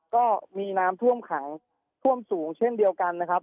ก็มีน้ำท่วมขังท่วมสูงเช่นเดียวกันนะครับ